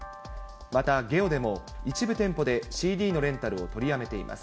またゲオでも、一部店舗でＣＤのレンタルを取りやめています。